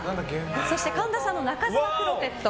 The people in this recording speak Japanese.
そして神田さんの中沢クロテッド